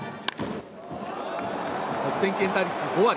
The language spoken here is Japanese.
得点圏打率５割。